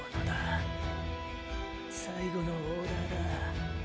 最後のオーダーだ。